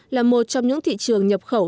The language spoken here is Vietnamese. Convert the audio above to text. là một trong những thị trường nhập khẩu